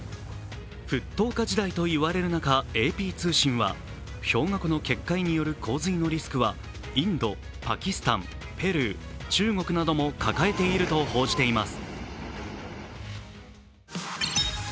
沸騰化時代といわれる中、ＡＰ通信は氷河湖の決壊による洪水のリスクはインド、パキスタン、ペルー、中国などもかかえていると報じています。